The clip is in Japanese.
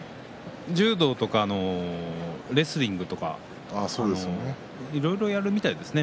柔道とかレスリングとかいろいろやるみたいですよね